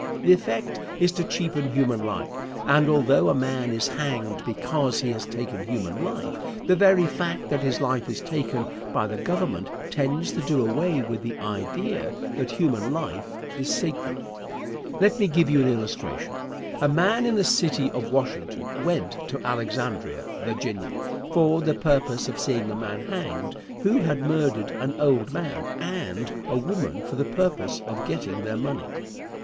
The effect is to cheapen human life; and, although a man is hanged because he has taken human life, the very fact that his life is taken by the Government tends to do away with the idea that human life is sacred. Let me give you an illustration. A man in the city of Washington went to Alexandria, Va., for the purpose of seeing a man hanged who had murdered an old man and a woman for the purpose of getting their money.